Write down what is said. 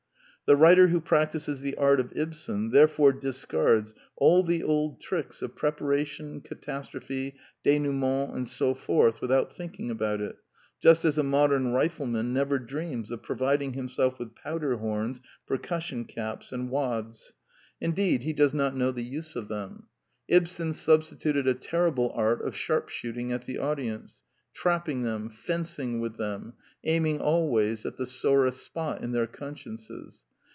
The writer who practises the art of Ibsen there fore discards all the old tricks of preparation, catastrophe, denouement, and so forth without thinking about it, just as a modern rifleman never dreams of providing himself with powder horns, percussion caps, and wads: indeed he does not 232 The Quintessence of Ibsenism know the use of them. Ibsen substituted a ter rible art of sharp shooting at the audience, trap ping them, fencing with them, aiming always at the sorest spot in their consciences.